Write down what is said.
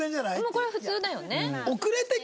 もうこれは普通だよね。